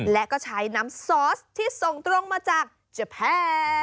และก็ใช้น้ำซอสที่ส่งตรงมาจากเจ้าแพร่